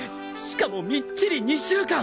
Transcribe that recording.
しかもみっちり２週間！